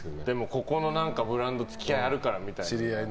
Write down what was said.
ここのブランド付き合いあるからみたいな。